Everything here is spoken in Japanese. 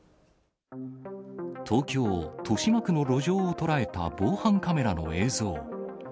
東京・豊島区の路上を捉えた防犯カメラの映像。